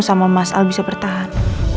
sama mas al bisa bertahan